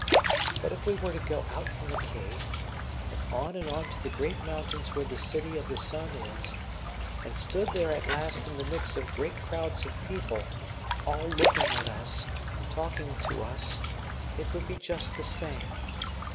But if we were to go out from the cave, and on and on to the great mountains where the city of the sun is, and stood there at last in the midst of great crowds of people, all looking at us, talking to us, it would be just the same.